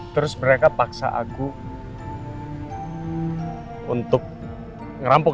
terus mereka paksa aku untuk ngerampok